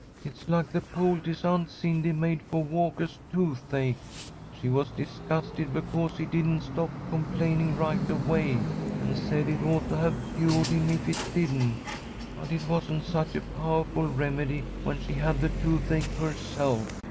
It's like the poultice Aunt Cindy made for Walkah's toothache. She was disgusted because he didn't stop complaining right away, and said it ought to have cured him if it didn't. But it wasn't such a powahful remedy when she had the toothache herself.